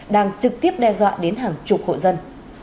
đang trực tiếp đe dọa đến hàng chục hộ dân